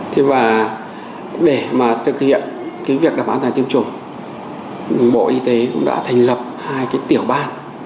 thế và để mà thực hiện cái việc đảm bảo an toàn tiêm chủng bộ y tế cũng đã thành lập hai cái tiểu ban